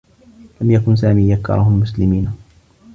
لم يكن سامي يكره المسلمين.